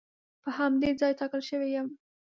په همدې ځای ټاکل شوی یم.